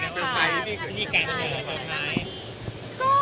ขอบคุณครับ